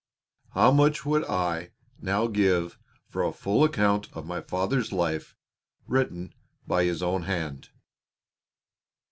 How much would I now give for a full account of my father's life written by his own hand!